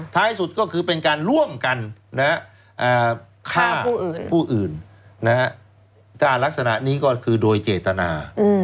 ท้ายสุดก็คือเป็นการร่วมกันฆ่าผู้อื่นถ้ารักษณะนี้ก็คือโดยเจตนา